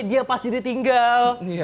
dia pasti ditinggal